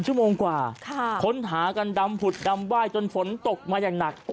ชั่วโมงกว่าค้นหากันดำผุดดำไหว้จนฝนตกมาอย่างหนัก